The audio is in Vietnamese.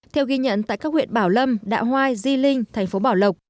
theo ghi nhận tại các huyện bảo lâm đạ hoai di linh thành phố bảo lộc